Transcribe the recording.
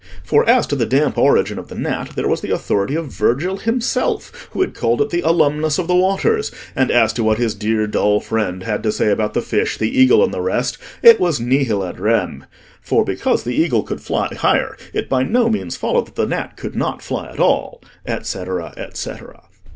for as to the damp origin of the gnat, there was the authority of Virgil himself, who had called it the "alumnus of the waters;" and as to what his dear dull friend had to say about the fish, the eagle, and the rest, it was "nihil ad rem;" for because the eagle could fly higher, it by no means followed that the gnat could not fly at all, etcetera, etcetera.